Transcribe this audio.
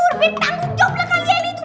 lebih tangguh jombla kalian itu